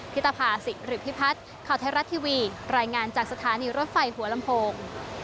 ิตภาษิริพิพัฒน์ข่าวไทยรัฐทีวีรายงานจากสถานีรถไฟหัวลำโพง